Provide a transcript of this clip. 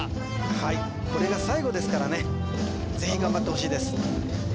はいこれが最後ですからねぜひ頑張ってほしいです